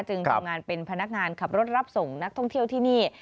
ทำงานเป็นพนักงานขับรถรับส่งนักท่องเที่ยวที่นี่